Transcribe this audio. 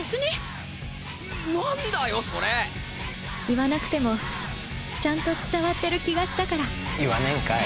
言わなくてもちゃんと伝わってる気がしたから言わねえんかい！